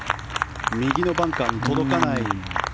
右のバンカーに届かない。